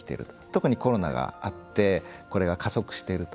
特にコロナがあってこれが加速していると。